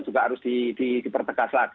juga harus dipertegas lagi